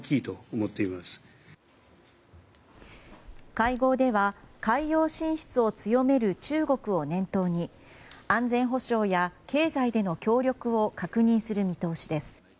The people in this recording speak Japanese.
会合では海洋進出を強める中国を念頭に安全保障や経済での協力を確認する見通しです。